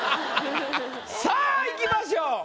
さぁいきましょう。